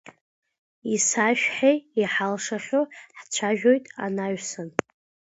Исашәҳәеи иҳалшахьоу, ҳцәажәоит анаҩсан.